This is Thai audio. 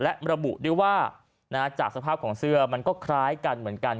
และระบุด้วยว่าจากสภาพของเสื้อมันก็คล้ายกันเหมือนกัน